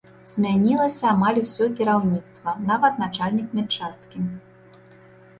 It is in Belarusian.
Змянілася амаль усё кіраўніцтва, нават начальнік медчасткі.